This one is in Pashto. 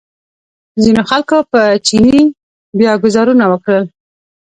ځینو خلکو په چیني بیا ګوزارونه وکړل.